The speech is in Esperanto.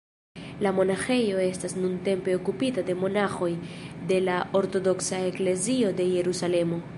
La monaĥejo estas nuntempe okupita de monaĥoj de la Ortodoksa Eklezio de Jerusalemo.